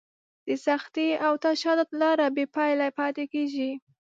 د سختي او تشدد لاره بې پایلې پاتې کېږي.